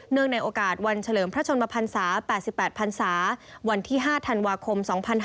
ในโอกาสวันเฉลิมพระชนมพันศา๘๘พันศาวันที่๕ธันวาคม๒๕๕๙